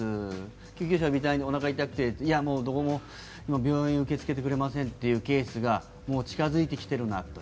救急車呼びたくておなかが痛くていや、今、どこも病院を受け付けてくれませんというケースがもう近付いてきているんだと。